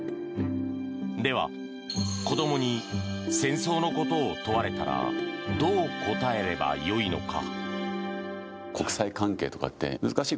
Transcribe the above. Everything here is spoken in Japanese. では、子どもに戦争のことを問われたらどう答えればよいのか。